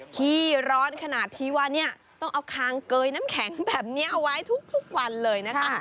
ขี้ร้อนขนาดที่ว่าเนี่ยต้องเอาคางเกยน้ำแข็งแบบนี้เอาไว้ทุกวันเลยนะคะ